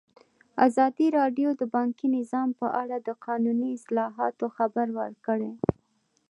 ازادي راډیو د بانکي نظام په اړه د قانوني اصلاحاتو خبر ورکړی.